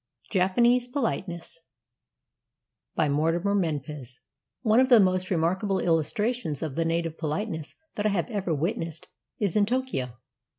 JAPANESE POLITENESS BY MORTIMER MENPES One of the most remarkable illustrations of the native politeness that I have ever witnessed was in Tokio.